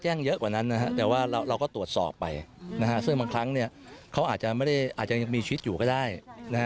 เยอะกว่านั้นนะฮะแต่ว่าเราก็ตรวจสอบไปนะฮะซึ่งบางครั้งเนี่ยเขาอาจจะไม่ได้อาจจะยังมีชีวิตอยู่ก็ได้นะฮะ